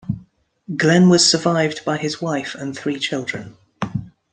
Glenn was survived by his wife and three children.